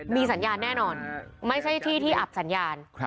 มีสัญญาณแน่นอนไม่ใช่ที่ที่อับสัญญาณ